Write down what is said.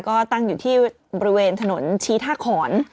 ก็ตั้งอยู่ที่บริเวณถนนชี้ท่าขอน